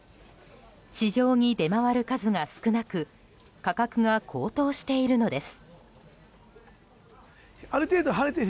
市場に出回る数が少なく価格が高騰しているのです。